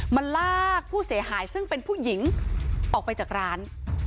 มาลากผู้เสียหายซึ่งเป็นผู้หญิงออกไปจากร้าน